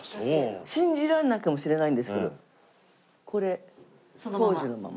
信じられないかもしれないんですけどこれ当時のまま。